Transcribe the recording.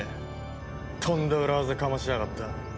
とんだ裏技かましやがった。